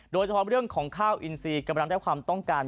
โดยเฉพาะเรื่องของข้าวอินซีกำลังได้ความต้องการ